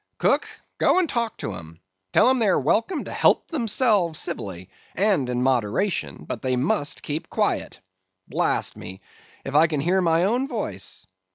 Cook, go and talk to 'em; tell 'em they are welcome to help themselves civilly, and in moderation, but they must keep quiet. Blast me, if I can hear my own voice.